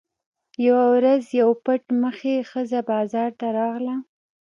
یوه ورځ یوه پټ مخې ښځه بازار ته راغله.